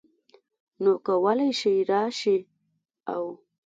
نو کولی شې راشې او